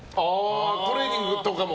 トレーニングとかも。